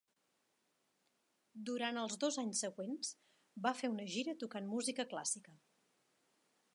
Durant els dos anys següents, va fer una gira tocant música clàssica.